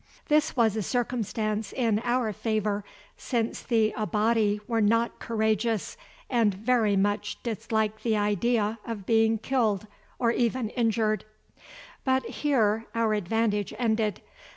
This was a circumstance in our favour, since the Abati were not courageous, and very much disliked the idea of being killed, or even injured. But here our advantage ended.